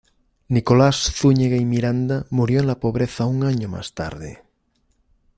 Nicolás Zúñiga y Miranda murió en la pobreza un año más tarde.